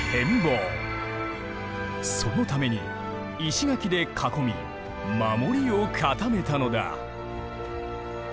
そのために石垣で囲み守りを固めたのだ。